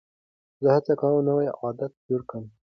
زه هڅه کوم نوی عادت جوړ کړم.